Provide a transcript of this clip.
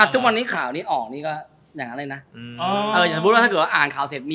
ทุกวันนี้ข่าวคนออกนี่ก็อย่างนั้นส์เลยนะ